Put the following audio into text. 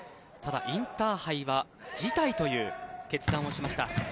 ただ、インターハイは辞退という決断をしました。